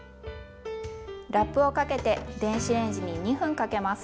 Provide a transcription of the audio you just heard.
ラップをかけて電子レンジに２分かけます。